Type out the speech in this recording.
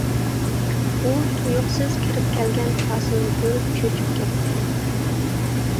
ئۇ تۇيۇقسىز كىرىپ كەلگەن قاسىمنى كۆرۈپ چۆچۈپ كەتتى.